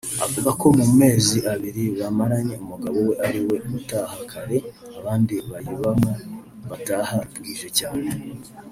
Avuga ko mu mezi abiri bamaranye umugabo we ariwe utaha kare abandi bayibamo bataha bwije cyane